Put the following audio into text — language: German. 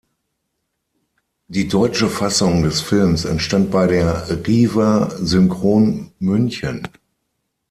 Die deutsche Fassung des Films entstand bei der Riva-Synchron, München.